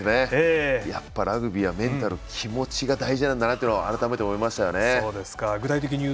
やっぱりラグビーはメンタル、気持ちが大事だと改めて思いましたよね。